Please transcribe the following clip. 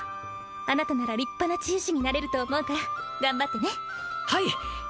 あなたなら立派な治癒士になれると思うから頑張ってねはい！